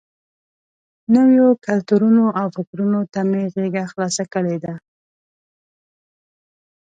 نویو کلتورونو او فکرونو ته مې غېږه خلاصه کړې ده.